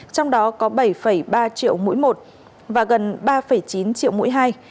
trong đó có bảy ba triệu mỗi một và gần ba chín triệu mỗi hai